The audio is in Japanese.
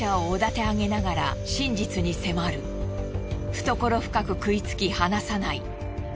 懐深く食いつき離さない。